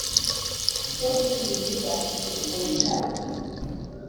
Nk uko inzu yubatswe ku rutare